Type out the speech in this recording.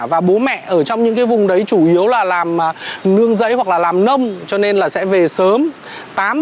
và bố mẹ ở trong những cái vùng đấy chủ yếu là làm nương giấy hoặc là làm nông cho nên là sẽ về sớm